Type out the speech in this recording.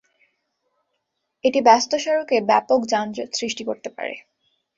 এটি ব্যস্ত সড়কে ব্যাপক যানজট সৃষ্টি করতে পারে।